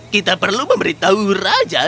kita perlu memberitahu raja